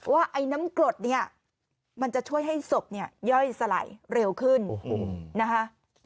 ไอ้น้ำกรดเนี่ยมันจะช่วยให้ศพเนี่ยย่อยสลายเร็วขึ้นนะคะ